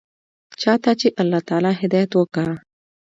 چا ته چې الله تعالى هدايت وکا.